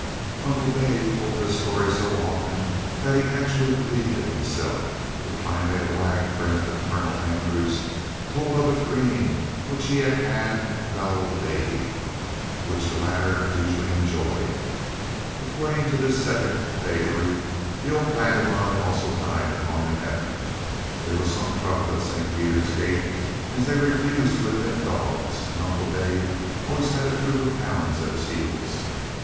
"Uncle Dave told this story so often that he actually believed it himself. But finally a wag friend of Colonel Andrews told of a dream which he had had about old Dave, which the latter hugely enjoyed. According to this second vagary, the old vagabond had also died and gone to heaven. There was some trouble at St. Peter's gate, as they refused to admit dogs, and Uncle Dave always had a troop of hounds at his heels.